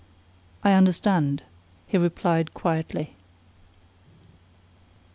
"I understand," he replied quietly.